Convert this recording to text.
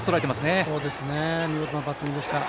見事なバッティングでした。